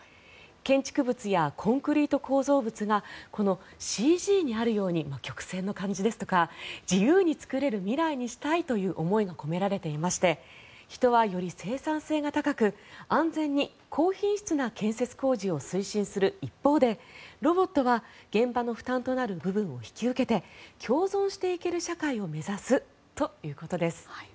建築物やコンクリート構造物がこのＣＧにあるように曲線の感じですとか自由に作れる未来にしたいという思いが込められていまして人はより生産性が高く安全に高品質な建設工事を推進する一方でロボットは現場の負担となる部分を引き受けて共存していける社会を目指すということです。